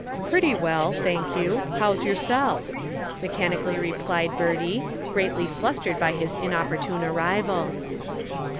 "Pretty well, thank you; how's yourself?" mechanically replied Bertie, greatly flustered by his inopportune arrival.